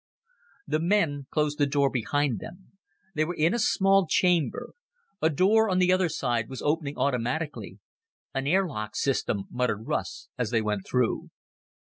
The men closed the door behind them. They were in a small chamber. A door on the other side was opening automatically. "An air lock system," muttered Russ as they went through.